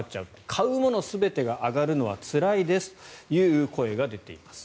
買うもの全てが上がるのはつらいですという声が出ています。